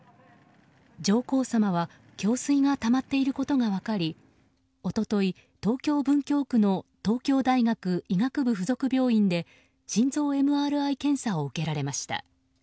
上皇さまは胸水がたまっていることが分かり一昨日、東京・文京区の東京大学医学部附属病院で心臓ＭＲＩ検査を受けられました。